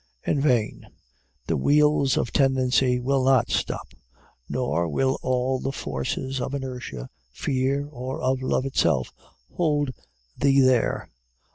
In vain; the wheels of tendency will not stop, nor will all the forces of inertia, fear, or of love itself, hold thee there.